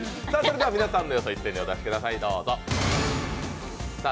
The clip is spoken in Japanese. では皆さんの予想、一斉にお出しください。